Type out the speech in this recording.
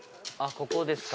ここですか？